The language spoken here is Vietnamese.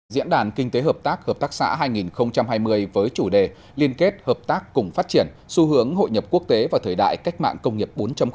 diễn đàn kinh tế hợp tác hợp tác xã hai nghìn hai mươi với chủ đề liên kết hợp tác cùng phát triển xu hướng hội nhập quốc tế và thời đại cách mạng công nghiệp bốn